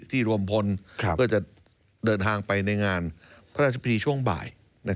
รวมพลเพื่อจะเดินทางไปในงานพระราชพิธีช่วงบ่าย